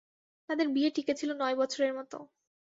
তাঁদের বিয়ে টিকেছিল নয় বছরের মতো।